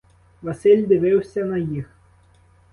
Василь дивився на їх.